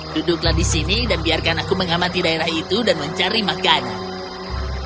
duduklah di sini dan biarkan aku mengamati daerah itu dan mencari makanan